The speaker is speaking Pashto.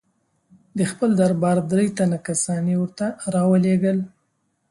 د خپل دربار درې تنه کسان یې ورته را ولېږل.